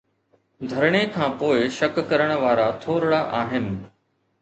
ڌرڻي کان پوءِ شڪ ڪرڻ وارا ٿورڙا آهن.